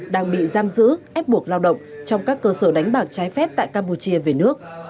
đang bị giam giữ ép buộc lao động trong các cơ sở đánh bạc trái phép tại campuchia về nước